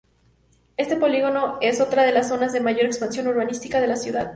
Este polígono es otra de las zonas de mayor expansión urbanística de la ciudad.